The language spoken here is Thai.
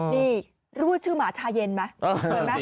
นี่รู้ชื่อหมาชาเย็นไหม